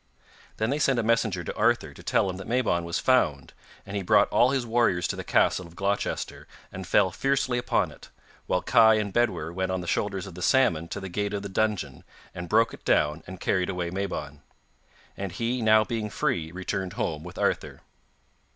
Then they sent a messenger to Arthur to tell him that Mabon was found, and he brought all his warriors to the castle of Gloucester and fell fiercely upon it; while Kai and Bedwyr went on the shoulders of the salmon to the gate of the dungeon, and broke it down and carried away Mabon. And he now being free returned home with Arthur.